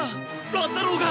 乱太郎が！